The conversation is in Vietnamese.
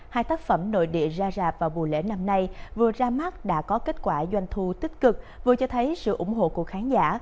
hai tác phẩm nội địa ra rạp vào mùa lễ năm nay vừa ra mắt đã có kết quả doanh thu tích cực vừa cho thấy sự ủng hộ của khán giả